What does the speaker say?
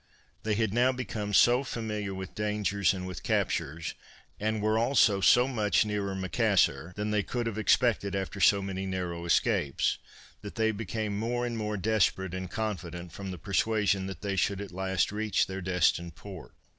They had now become so familiar with dangers and with captures, and were also so much nearer Macassar, than they could have expected after so many narrow escapes, that they became more and more desperate and confident, from the persuasion that they should at last reach their destined port.